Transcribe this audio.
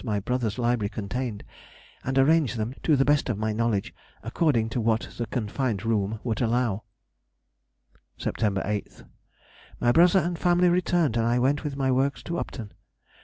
my brother's library contained, and arranged them, to the best of my knowledge, according to what the confined room would allow. [Sidenote: 1806 1807. Extracts from Diary.] September 8th.—My brother and family returned, and I went with my works to Upton.